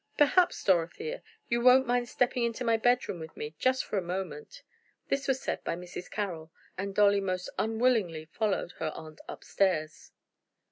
"Perhaps, Dorothea, you won't mind stepping into my bedroom with me, just for a moment." This was said by Mrs. Carroll, and Dolly most unwillingly followed her aunt up stairs.